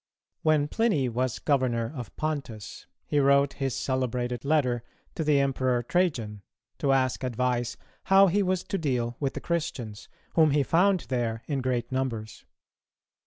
When Pliny was Governor of Pontus, he wrote his celebrated letter to the Emperor Trajan, to ask advice how he was to deal with the Christians, whom he found there in great numbers.